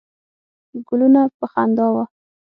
ګلونه په خندا وه.